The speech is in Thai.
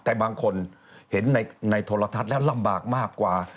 แต่บางคนเห็นในโทรทัศน์แล้วลำบากมากกว่า